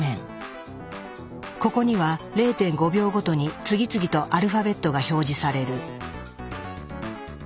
ここには０．５秒ごとに次々とアルファベットが表示される。